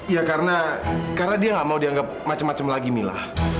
ya karena dia nggak mau dianggap macam macam lagi mila